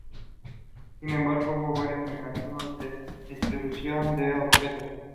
Sin embargo, hubo varios mecanismos de distribución de objetos.